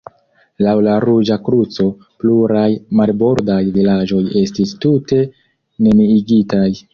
Laŭ la Ruĝa Kruco, pluraj marbordaj vilaĝoj estis tute neniigitaj.